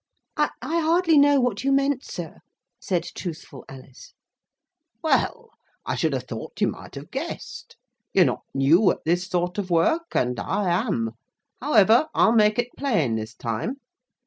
"I hardly know what you meant, sir," said truthful Alice. "Well! I should have thought you might have guessed. You're not new at this sort of work, and I am. However, I'll make it plain this time.